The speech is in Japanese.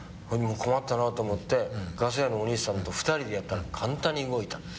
困ったなと思ってガス屋のお兄さんと２人でやったら簡単に動いた。